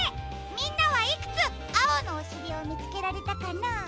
みんなはいくつあおのおしりをみつけられたかな？